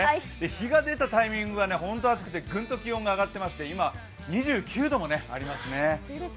日が出たタイミングがホント暑くてグンと気温が上がってまして今、２９度もありますね。